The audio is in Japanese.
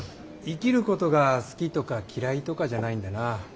生きることが好きとか嫌いとかじゃないんだな。